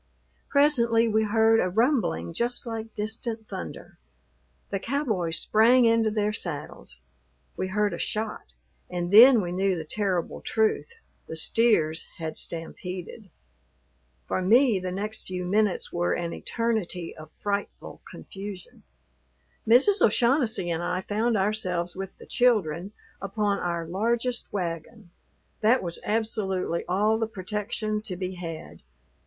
Presently we heard a rumbling just like distant thunder. The cowboys sprang into their saddles; we heard a shot, and then we knew the terrible truth, the steers had stampeded. For me, the next few minutes were an eternity of frightful confusion. Mrs. O'Shaughnessy and I found ourselves with the children upon our largest wagon; that was absolutely all the protection to be had.